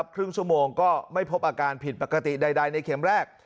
ครึ่งชั่วโมงก็ไม่พบอาการผิดปกติใดในเข็มแรก